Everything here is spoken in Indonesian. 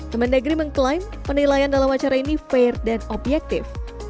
kemendagri mengklaim penilaian dalam acara ini fair dan objektif